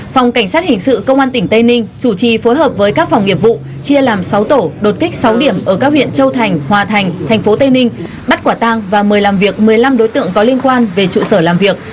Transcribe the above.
phòng cảnh sát hình sự công an tỉnh tây ninh chủ trì phối hợp với các phòng nghiệp vụ chia làm sáu tổ đột kích sáu điểm ở các huyện châu thành hòa thành thành phố tây ninh bắt quả tang và mời làm việc một mươi năm đối tượng có liên quan về trụ sở làm việc